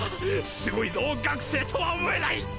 凄いぞ学生とは思えない！